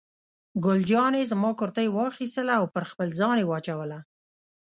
ګل جانې زما کورتۍ واخیستله او پر خپل ځان یې واچوله.